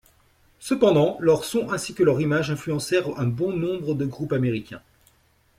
Cependant, leur son ainsi que leur image influencèrent bon nombre de groupes américains.